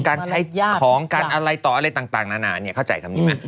การใช้ของการอะไรต่ออะไรต่างนานาเข้าใจคำนี้ไหม